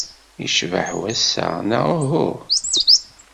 Yecbeḥ wass-a, neɣ uhu?